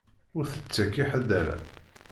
Ur tettak i ḥed ala.